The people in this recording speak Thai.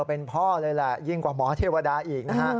เป็นพ่อเลยแหละยิ่งกว่าหมอเทวดาอีกนะฮะ